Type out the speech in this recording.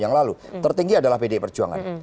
yang lalu tertinggi adalah pdi perjuangan